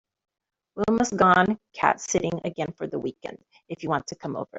Wilma’s gone cat sitting again for the weekend if you want to come over.